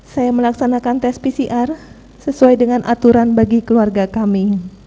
saya melaksanakan tes pcr sesuai dengan aturan bagi keluarga kami